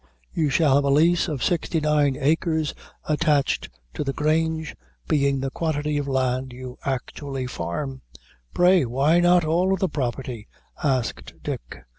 You shall have a lease of sixty nine acres attached to the Grange, being the quantity of land you actually farm." "Pray, why not of all the property?" asked Dick.